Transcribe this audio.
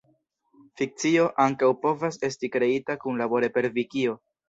Fikcio ankaŭ povas esti kreita kunlabore per vikio.